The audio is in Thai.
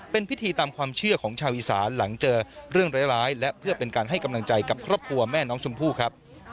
เป็นพิธีตามความเชื่อของชาวอีสานหลังเจอเรื่องร้ายและเพื่อเป็นการให้กำลังใจกับครอบครัวแม่น้องชมพู่ครับ